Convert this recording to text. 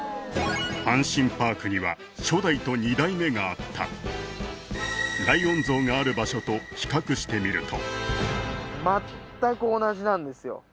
阪神パークには初代と２代目があったライオン像がある場所と比較してみると全く同じなんですよ